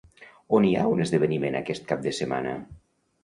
On hi ha un esdeveniment aquest cap de setmana?